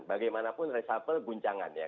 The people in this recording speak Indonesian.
bagaimanapun resapel guncangan ya